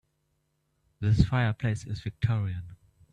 This fireplace is victorian.